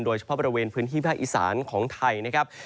โดยเฉพาะบริเวณพื้นที่ภาคอีสานของไทยนะครับ